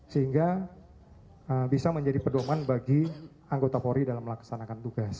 sehingga bisa menjadi pedoman bagi anggota polri dalam melaksanakan tugas